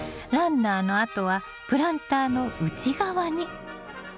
ランナーの跡はプランターの内側に！